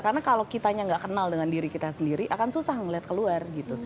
karena kalau kitanya gak kenal dengan diri kita sendiri akan susah ngeliat ke luar gitu